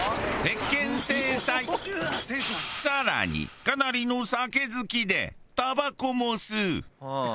さらにかなりの酒好きでタバコも吸う。